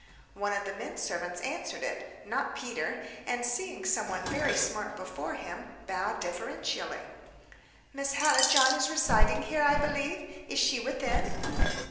One of the men servants answered it, not Peter; and, seeing somebody very smart before him, bowed deferentially. "Miss Hallijohn is residing here, I believe. Is she within?"